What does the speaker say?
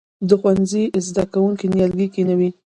د ښوونځي زده کوونکي نیالګي کینوي؟